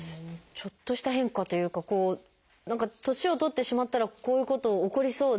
ちょっとした変化というか年を取ってしまったらこういうこと起こりそうで。